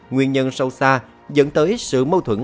nguyên nhân sâu xa dẫn tới sự mâu thuẫn